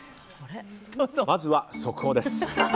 まずは、速報です。